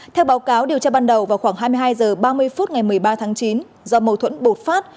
theo báo cáo điều tra ban đầu vào khoảng hai mươi hai h ba mươi phút ngày một mươi ba tháng chín do mâu thuẫn bột phát